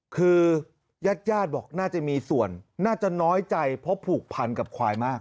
คือญาติญาติบอกน่าจะมีส่วนน่าจะน้อยใจเพราะผูกพันกับควายมาก